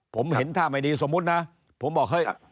ผมเห็นท่าไม่ดีสมมุตินะผมบอกเฮ้ย